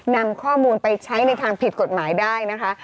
นำข้อมูลไปใช้ในทางผิดกฎหมายได้นะคะ